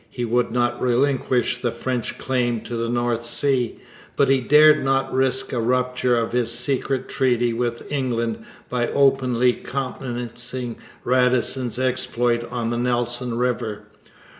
He would not relinquish the French claim to the North Sea; but he dared not risk a rupture of his secret treaty with England by openly countenancing Radisson's exploit on the Nelson river.